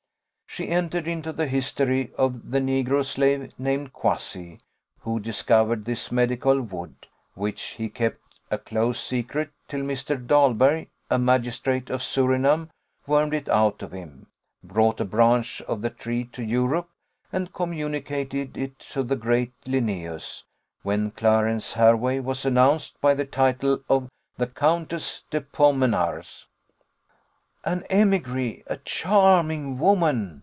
She entered into the history of the negro slave named Quassi, who discovered this medical wood, which he kept a close secret till Mr. Daghlberg, a magistrate of Surinam, wormed it out of him, brought a branch of the tree to Europe, and communicated it to the great Linnaeus when Clarence Hervey was announced by the title of "The Countess de Pomenars." "An émigrée a charming woman!"